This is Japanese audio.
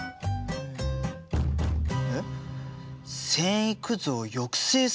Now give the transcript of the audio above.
えっ。